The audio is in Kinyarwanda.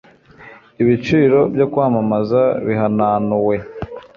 ibiciro byo kwamamaza byahananuwe